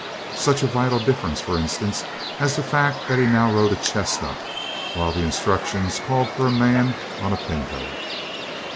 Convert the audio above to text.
Such a vital difference, for instance, as the fact that he now rode a chestnut, while the instructions called for a man on a pinto.